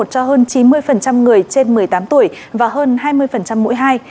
cho hơn chín mươi người trên một mươi tám tuổi và hơn hai mươi mũi hai